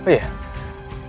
tidak tidak tidak